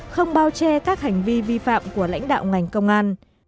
không bao che các hành vi vi phạm của lãnh đạo ngành công an